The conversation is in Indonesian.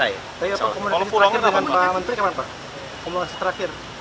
tapi apa komunikasi terakhir dengan pak menteri kapan pak komunikasi terakhir